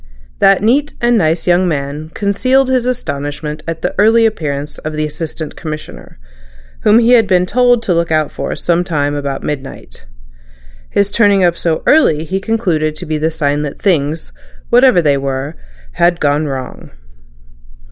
That neat and nice young man concealed his astonishment at the early appearance of the Assistant Commissioner, whom he had been told to look out for some time about midnight. His turning up so early he concluded to be the sign that things, whatever they were, had gone wrong.